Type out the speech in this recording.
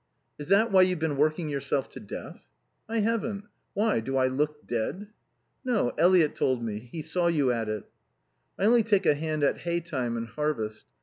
"Is that why you've been working yourself to death?" "I haven't. Why, do I look dead?" "No. Eliot told me. He saw you at it." "I only take a hand at hay time and harvest.